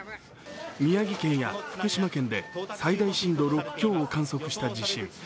宮城県や福島県で最大震度６強を観測した地震。